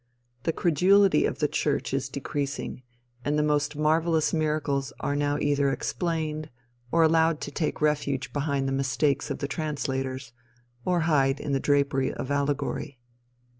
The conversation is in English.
The credulity of the Church is decreasing, and the most marvelous miracles are now either "explained," or allowed to take refuge behind the mistakes of the translators, or hide in the drapery of allegory.